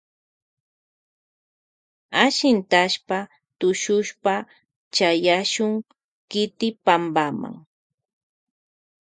Ashintashpa tushushpa chayashun kiti pampama.